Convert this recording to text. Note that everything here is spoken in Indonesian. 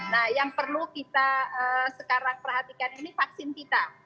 nah yang perlu kita sekarang perhatikan ini vaksin kita